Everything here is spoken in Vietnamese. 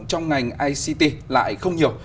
trong ngành ict lại không nhiều